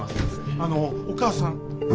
あのお母さん。